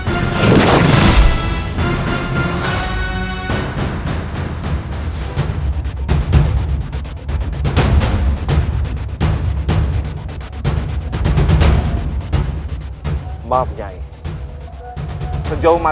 aku berdua juga bernama sebas ini ketika